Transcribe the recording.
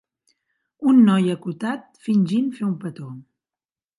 Un noi acotat fingint fer un petó.